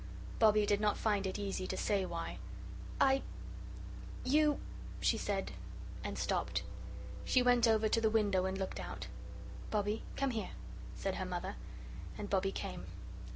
Bobbie did not find it easy to say why. "I you " she said and stopped. She went over to the window and looked out. "Bobbie, come here," said her Mother, and Bobbie came.